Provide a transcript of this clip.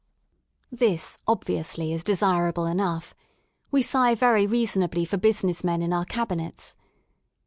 This obviously is desirable enough; we sigh very reasonably for business men in our cabinets.